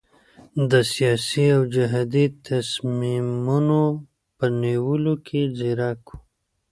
د سیاسي او جهادي تصمیمونو په نیولو کې ځیرک وو.